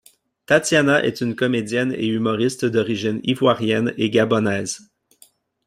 Tatiana est une comédienne et humoriste d'origine ivoirienne et gabonaise.